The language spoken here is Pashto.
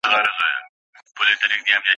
ته مي نه ویني په سترګو نه مي اورې په غوږونو